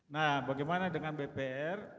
nah bagaimana dengan bpr